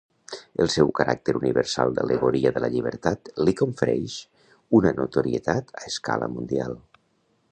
El seu caràcter universal d'al·legoria de la llibertat li confereix una notorietat a escala mundial.